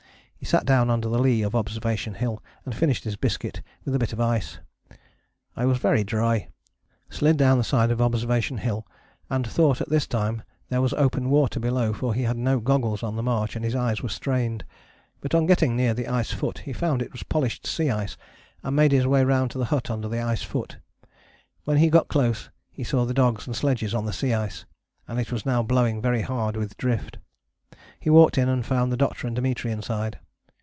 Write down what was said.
He sat down under the lee of Observation Hill, and finished his biscuit with a bit of ice: "I was very dry," slid down the side of Observation Hill and thought at this time there was open water below, for he had no goggles on the march and his eyes were strained. But on getting near the ice foot he found it was polished sea ice and made his way round to the hut under the ice foot. When he got close he saw the dogs and sledges on the sea ice, and it was now blowing very hard with drift. He walked in and found the Doctor and Dimitri inside.